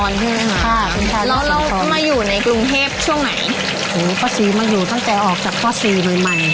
ใช่ไหมค่ะชาวยสวทรแล้วเรามาอยู่ในกรุงเทพช่วงไหนโอ้โฮปลาสีมาอยู่ตั้งแต่ออกจากปลาสีใหม่ใหม่